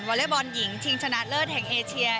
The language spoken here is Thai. อเล็กบอลหญิงชิงชนะเลิศแห่งเอเชีย